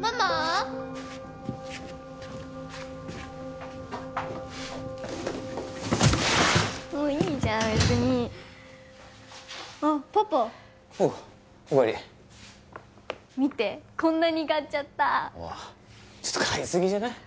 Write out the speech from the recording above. ママいいじゃん別にあっパパおうお帰り見てこんなに買っちゃったちょっと買いすぎじゃない？